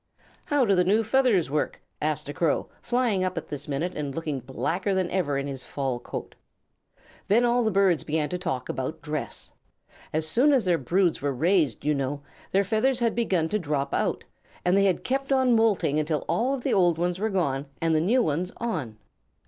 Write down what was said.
"How do the new feathers work?" asked a Crow, flying up at this minute and looking blacker than ever in his fall coat. Then all the birds began to talk about dress. As soon as their broods were raised, you know, their feathers had begun to drop out, and they had kept on moulting until all of the old ones were gone and the new ones on.